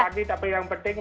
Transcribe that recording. tapi yang penting